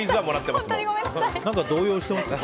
何か動揺してますね。